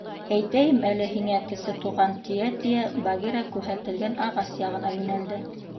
— Әйтәйем әле һиңә, Кесе Туған, — тиә-тиә Багира күрһәтелгән ағас яғына йүнәлде.